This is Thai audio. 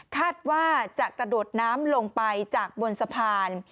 คาดว่าจะกระโดดน้ำลงไปจากบนสะพาน